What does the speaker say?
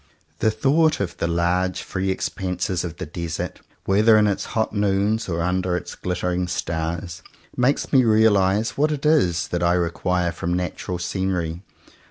The thought of the large free expanses of the desert, whether in its hot noons or under its glittering stars, makes me realize what it is that I require from natural scenery.